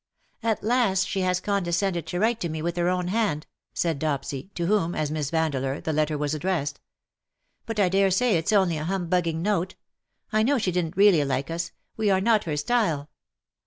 " At last she has condescended to write to me with her own hand/' said Dopsy, to whom, as Miss Vandeleur, the letter was addressed. ^*^ But I dare say it's only a humbugging note. I know she didn't really like us : we are not her style."